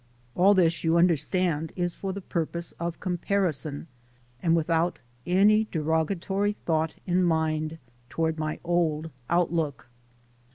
All this, you understand, is for the purpose of com parison and without any derogatory thought in mind toward my old outlook.